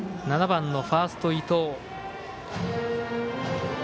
７番ファースト伊藤。